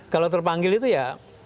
kalau terpanggil itu ya